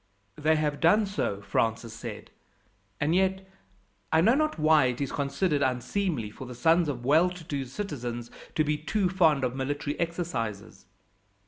"They have done so," Francis said; "and yet, I know not why, it is considered unseemly for the sons of well to do citizens to be too fond of military exercises."